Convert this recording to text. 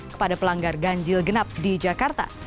kepada pelanggar ganjil genap di jakarta